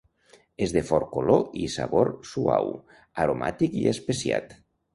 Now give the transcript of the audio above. És de fort color i sabor suau, aromàtic i especiat.